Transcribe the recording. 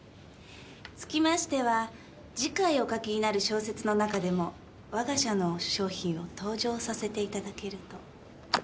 つきましては次回お書きになる小説の中でもわが社の商品を登場させていただけると。